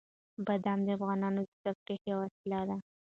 بادام د افغانانو د تفریح یوه وسیله ده.